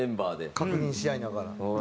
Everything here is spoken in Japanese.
確認し合いながら。